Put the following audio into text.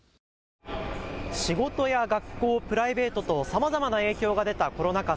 仕事や学校、プライベートさまざまな影響が出たコロナ禍